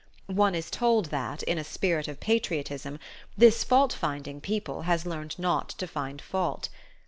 One is told that, in a spirit of patriotism, this fault finding people has learned not to find fault.